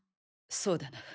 そうだな。